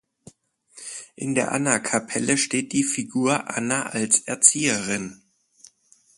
In der Annakapelle steht die Figur „Anna als Erzieherin“.